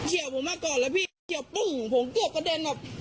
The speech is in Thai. พี่เฉียบผมมาก่อนแล้วพี่เฉียบตุ้งผมเกลียดกระเด็นออก